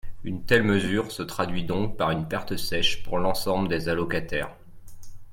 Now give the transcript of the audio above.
Une telle mesure se traduit donc par une perte sèche pour l’ensemble des allocataires.